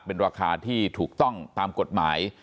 เป็นราคาที่ถูกต้องตามกฎหมาย